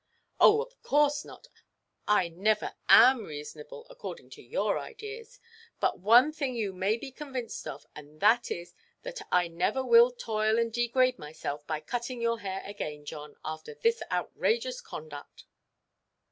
"Oh, of course not. I never am reasonable, according to your ideas. But one thing you may be convinced of, and that is, that I never will toil and degrade myself by cutting your hair again, John, after this outrageous conduct."